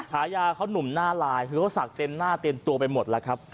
ฉายาเขาหนุ่มหน้าลายคือเขาสักเต็มหน้าเต็มตัวไปหมดแล้วครับ